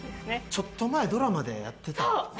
ちょっと前、ドラマでやってた。